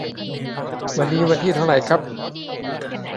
โอลิเวียมารับคัพเค้ก